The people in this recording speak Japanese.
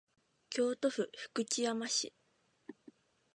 京都府福知山市